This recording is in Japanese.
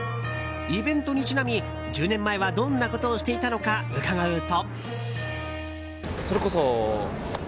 イベントにちなみ、１０年前はどんなことをしていたのか伺うと。